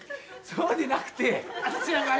そうでなくて。